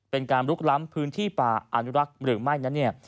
เป็นการลุกล้ำพื้นที่ป่าอันลักษณ์หรือไม่